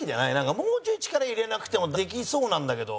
もうちょい、力入れなくてもできそうなんだけど。